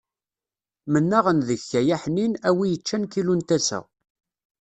Mennaɣ-n deg-k ay aḥnin, a wi yeččan kilu n tasa.